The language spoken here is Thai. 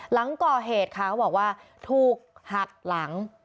หลังก่อเหตุค่ะเขาบอกว่าถูกหักหลัง